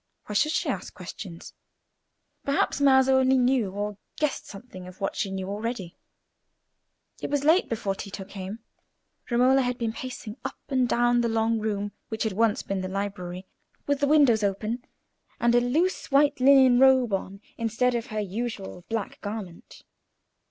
Why should she ask questions? Perhaps Maso only knew or guessed something of what she knew already. It was late before Tito came. Romola had been pacing up and down the long room which had once been the library, with the windows open, and a loose white linen robe on instead of her usual black garment.